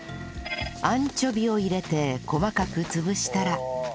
アンチョビを入れて細かく潰したら